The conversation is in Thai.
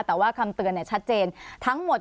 แต่ว่าคำเตือนชัดเจนทั้งหมด